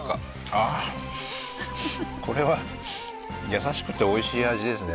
あーこれは優しくておいしい味ですね